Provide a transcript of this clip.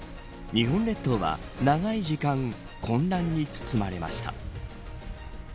日本列島は長い時間混乱に包まれました。